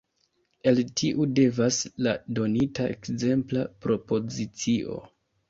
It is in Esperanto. El tiu devenas la donita ekzempla propozicio.